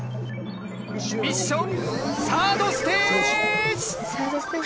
ミッションサードステージ。